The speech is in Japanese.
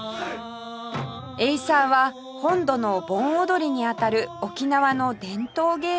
エイサーは本土の盆踊りに当たる沖縄の伝統芸能